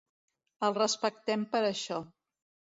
El respectem per això.